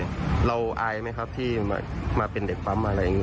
เราอายไหมครับที่มาเป็นเด็กปั๊มอะไรอย่างนี้